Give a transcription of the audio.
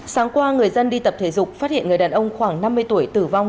sáng qua người dân đi tập thể dục phát hiện người đàn ông khoảng năm mươi tuổi tử vong